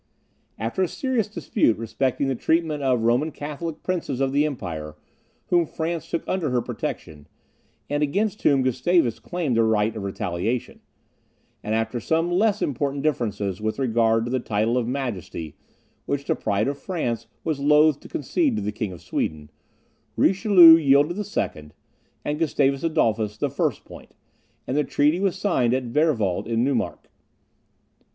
After a serious dispute respecting the treatment of the Roman Catholic princes of the empire, whom France took under her protection, and against whom Gustavus claimed the right of retaliation, and after some less important differences with regard to the title of majesty, which the pride of France was loth to concede to the King of Sweden, Richelieu yielded the second, and Gustavus Adolphus the first point, and the treaty was signed at Beerwald in Neumark.